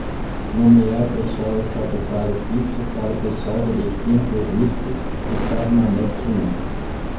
Nomear pessoal estatutário fixo para o pessoal de destino previsto, listado no Anexo I.